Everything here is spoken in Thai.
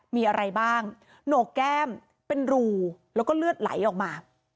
มีอะไรบ้างโหนกแก้มเป็นรูแล้วก็เลือดไหลออกมา